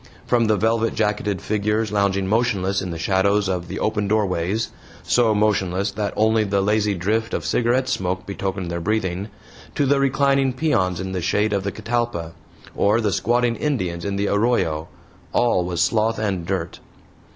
From the velvet jacketed figures lounging motionless in the shadows of the open doorways so motionless that only the lazy drift of cigarette smoke betokened their breathing to the reclining peons in the shade of a catalpa, or the squatting Indians in the arroyo all was sloth and dirt.